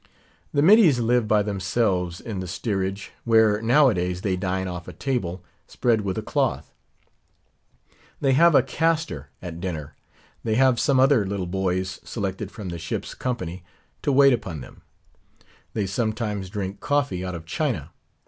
The middies live by themselves in the steerage, where, nowadays, they dine off a table, spread with a cloth. They have a castor at dinner; they have some other little boys (selected from the ship's company) to wait upon them; they sometimes drink coffee out of china.